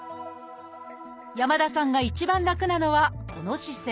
山田さんが一番楽なのはこの姿勢。